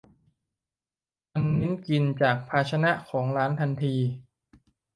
มันเน้นกินจากภาชนะของร้านทันที